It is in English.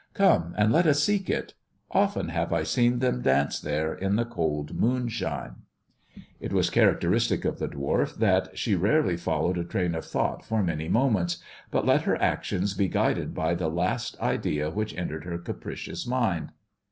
" Come and let us seek it. Often have I seen them dance there in the cold moonshine." It was characteristic of the dwarf that shiB rarely followed a train of thought for many moments, but let her actions be guided by the last idea which entered her capricious mind.